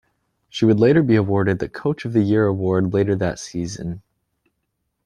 She would later be awarded the "Coach of the Year" award later that season.